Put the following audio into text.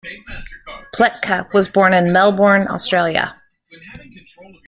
Pletka was born in Melbourne, Australia.